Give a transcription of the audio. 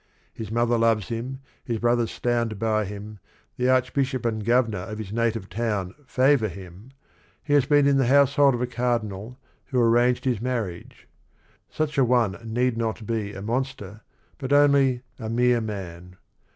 His mother loves him, his brothers stand by him, the Archbishop and Governor of his native town favor him, he has been in the house hold of a cardinal who arranged his marriage. Such an one need not be a "monster" but only "a mere man."